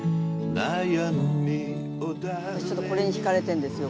私ちょっとこれに惹かれてるんですよ。